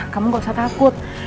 kamu gak usah takut